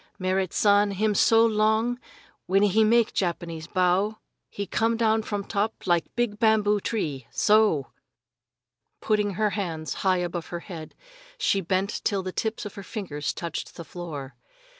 Merrit San him so long when he make Japanese bow he come down from top like big bamboo tree so!" Putting her hands high above her head, she bent till the tips of her fingers touched the floor.